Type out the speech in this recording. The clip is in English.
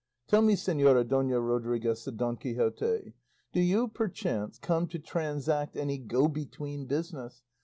"Tell me, Señora Dona Rodriguez," said Don Quixote, "do you perchance come to transact any go between business?